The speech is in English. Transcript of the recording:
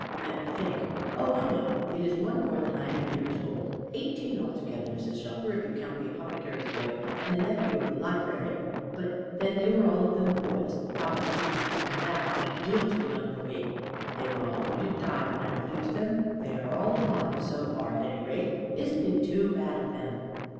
"Let me think! Oh I know! it's one more than I am years old. Eighteen altogether, Mrs. Shelfer; if you count the apothecary's boy, and the nephew of the library; but then they were all of them boys, papa's pupils and that, a deal too young for me. They were all going to die, when I refused them; but they are all alive so far, at any rate. Isn't it too bad of them?"